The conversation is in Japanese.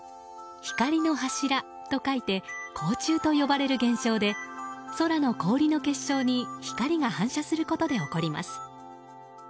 光の柱と書いて光柱と呼ばれる現象で空の氷の結晶に光が反射することで起こります。